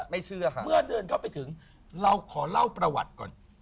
เชื่อค่ะเมื่อเดินเข้าไปถึงเราขอเล่าประวัติก่อน